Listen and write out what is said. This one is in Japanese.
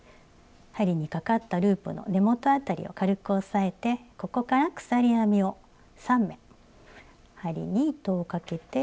針にかかったループの根元辺りを軽く押さえてここから鎖編みを３目針に糸をかけて引き抜く。